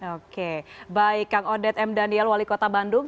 oke baik kang odet m daniel wali kota bandung